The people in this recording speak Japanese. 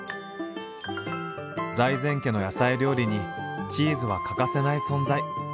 財前家の野菜料理にチーズは欠かせない存在。